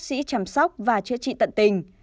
các bác sĩ đã chăm sóc và chữa trị tận tình